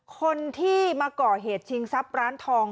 คนที่มาเกาะเหตุการ์ใหนนิยาภาพร้อมร้านทอง